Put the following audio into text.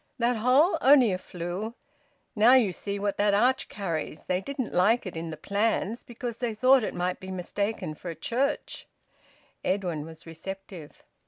That hole only a flue. Now you see what that arch carries they didn't like it in the plans because they thought it might be mistaken for a church " Edwin was receptive.